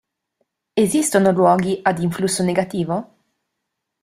Esistono luoghi ad influsso negativo?